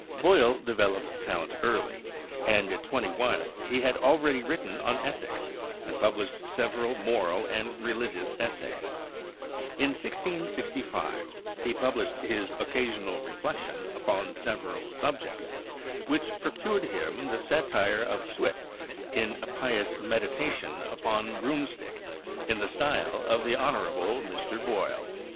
Boyle developed talent early, and at twenty one he had already written on ethics and published several moral and religious essays. In 1665 he published his 'Occasional THE EARLY PHLOGISTIC PERIOD 91 Reflection upon Several Subjects,' which procured him the satire of Swift in 'A Pious Meditation upon a Broom stick, in the style of the Honourable Mr. Boyle.'